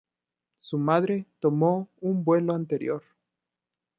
Su madre tomó un vuelo anterior.